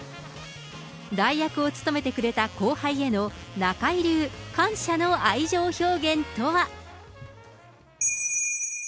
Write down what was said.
代役を務めてくれた後輩への中居流感謝の愛情表現とは。